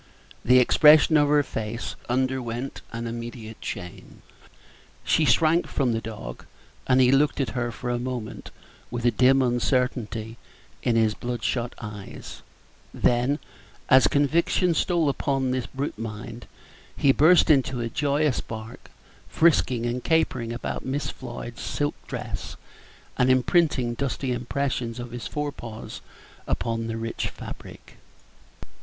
The expression of her face underwent an immediate change. She shrank from the dog, and he looked at her for a moment with a dim uncertainty in his bloodshot eyes; then, as Page 37 conviction stole upon the brute mind, he burst into a joyous bark, frisking and capering about Miss Floyd's silk dress, and imprinting dusty impressions of his fore paws upon the rich fabric.